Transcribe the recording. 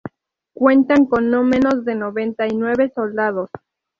Cuentan con no menos de noventa y nueve soldados.